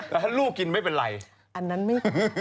ถ้าลูกกินไม่เป็นไร